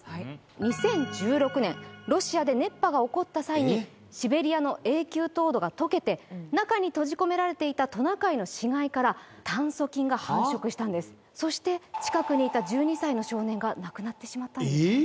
２０１６年ロシアで熱波が起こった際にシベリアの永久凍土が解けて中に閉じ込められていたトナカイの死骸から炭疽菌が繁殖したんですそして近くにいたえっ！？